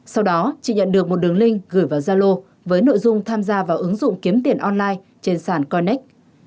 sau đó chỉ nhận được một đường link gửi vào gia lô với nội dung tham gia vào ứng dụng kiếm tiền online trên sản coinex